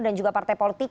dan juga partai politik